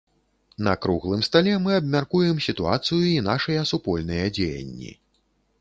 На круглым стале мы абмяркуем сітуацыю і нашыя супольныя дзеянні.